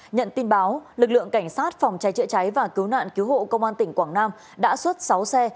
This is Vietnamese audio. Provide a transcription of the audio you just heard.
nhận tin báo lực lượng cảnh sát phòng cháy chữa cháy và cứu nạn cứu hộ công an tỉnh quảng nam đã xuất sáu xe